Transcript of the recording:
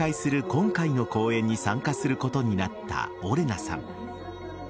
今回の公演に参加することになったオレナさん。